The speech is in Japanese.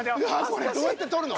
これどうやって取るの？